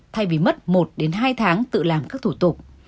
thay vì mất một đến hai tháng tự làm các thủ tục